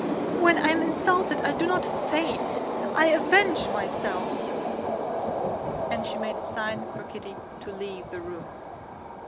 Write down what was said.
When I am insulted I do not faint; I avenge myself!" And she made a sign for Kitty to leave the room.